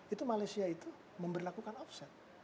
itu malaysia itu memperlakukan offset